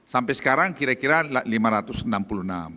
sampai sekarang kira kira lima ratus enam puluh enam